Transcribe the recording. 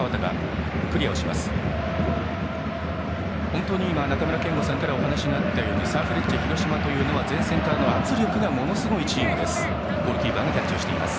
本当に中村憲剛さんからお話があったようにサンフレッチェ広島は前線からの圧力がものすごいチームです。